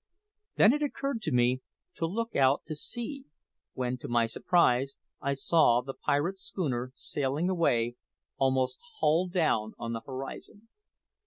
Then it occurred to me to look out to sea, when, to my surprise, I saw the pirate schooner sailing away almost hull down on the horizon!